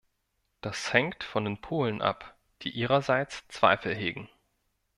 Das hängt von den Polen ab, die ihrerseits Zweifel hegen.